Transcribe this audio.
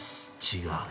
違う？